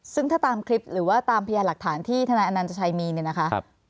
ซึ่งถ้าตามคลิปหรือว่าตามพยานหลักฐานที่ธนายอนัญชชัยมีเนี่ยนะคะ